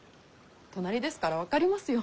隣ですから分かりますよ。